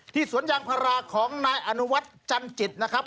สวนยางพาราของนายอนุวัฒน์จันจิตนะครับ